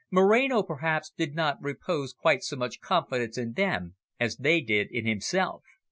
Moreno perhaps did not repose quite so much confidence in them as they did in himself.